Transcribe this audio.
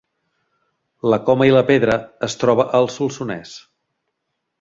La Coma i la Pedra es troba al Solsonès